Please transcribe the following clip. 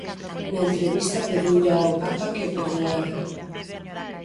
Na entrevista pediulle ao papa que a perdoara.